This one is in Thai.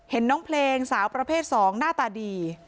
น้องเพลงสาวประเภท๒หน้าตาดี